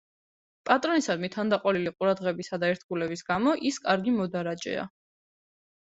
პატრონისადმი თანდაყოლილი ყურადღების და ერთგულების გამო ის კარგი მოდარაჯეა.